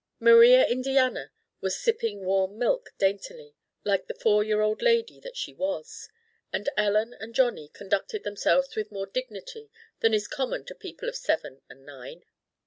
Maria Indiana was sipping warm milk daintily, like the four year old lady that she was, and Ellen and Johnny conducted themselves with more dignity than is common to people of seven and nine.